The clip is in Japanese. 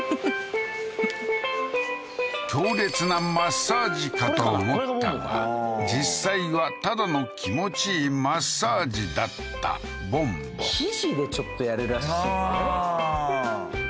強烈なマッサージかと思ったが実際はただの気持ちいいマッサージだったボンボ肘でちょっとやるらしいですね